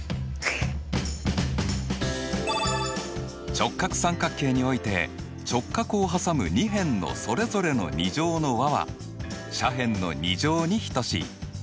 直角三角形において直角をはさむ２辺のそれぞれの２乗の和は斜辺の２乗に等しい。